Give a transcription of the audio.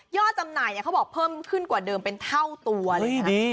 จำหน่ายเขาบอกเพิ่มขึ้นกว่าเดิมเป็นเท่าตัวเลยค่ะ